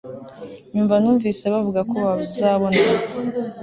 nyuma numvise bavuga ko babzabonana